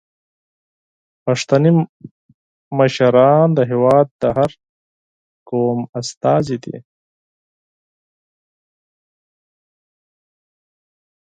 پښتني مشران د هیواد د هر قوم استازي دي.